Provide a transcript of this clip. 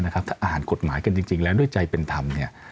ถ้าอ่านกฎหมายกันจริงแล้วด้วยใจเป็นธรรม